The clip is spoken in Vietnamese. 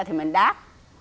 thì mình đát